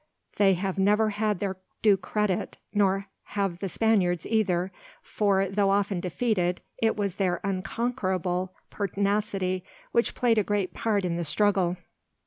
They have never had their due credit, nor have the Spaniards either, for, though often defeated, it was their unconquerable pertinacity which played a great part in the struggle.